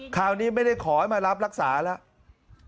คราวนี้ไม่ได้ขอให้มารับรักษาแล้ว